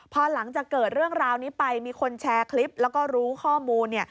พอหลังจากเกิดเรื่องราวนี้ไปมีคนแชร์คลิปแล้วก็รู้ข้อมูล